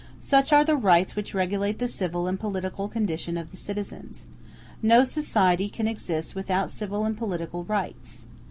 Such are the rights which regulate the civil and political condition of the citizens. No society can exist without civil and political rights.